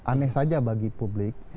aneh saja bagi publik